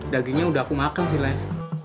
dagingnya udah aku makan sih leh